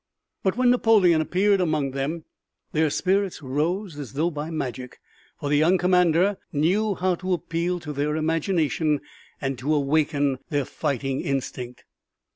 But when Napoleon appeared among them, their spirits rose as though by magic, for the young commander knew how to appeal to their imagination and to awaken their fighting instinct.